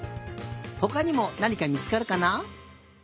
ほかにもなにかみつかるかな？